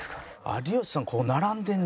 有吉さん